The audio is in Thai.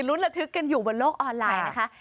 ระทึกกันอยู่บนโลกออนไลน์นะคะ